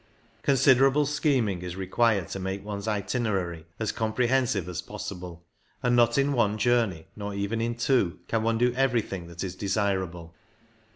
Consider able scheming is required to make one's itinerary as comprehensive as possible, and not in one journey, nor even in two, can one do everything that is desirable.